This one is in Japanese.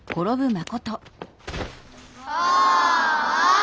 ああ！